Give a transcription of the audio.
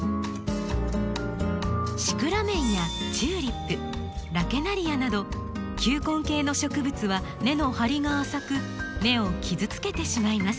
シクラメンやチューリップラケナリアなど球根系の植物は根の張りが浅く根を傷つけてしまいます。